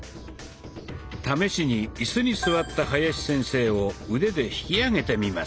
試しにイスに座った林先生を腕で引き上げてみます。